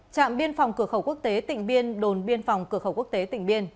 trạm biên phòng cửa khẩu quốc tế tỉnh biên đồn biên phòng cửa khẩu quốc tế tỉnh biên